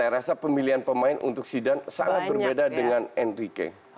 jadi saya rasa pemilihan pemain untuk sidang sangat berbeda dengan henry kane